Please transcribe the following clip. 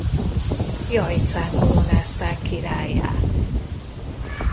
Jajcán koronázták királlyá.